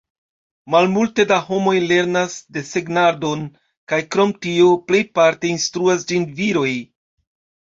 Malmulte da homoj lernas desegnadon, kaj krom tio plejparte instruas ĝin viroj.